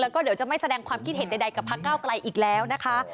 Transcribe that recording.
แล้วก็เดี๋ยวจะไม่แสดงความคิดเห็นใดกับพักเก้าไกลอีกแล้วนะคะ